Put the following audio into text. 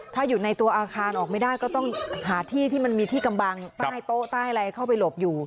ถ้าอยู่ในตัวอาคารออกไม่ได้ก็ต้องหาที่ที่มันมีที่กำบังใต้โต๊ะใต้อะไรเข้าไปหลบอยู่